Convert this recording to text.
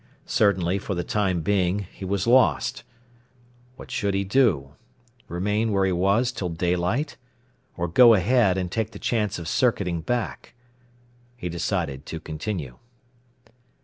Certainly, for the time being, he was lost. What should he do? Remain where he was till daylight? or go ahead, and take the chance of circuiting back? He decided to continue.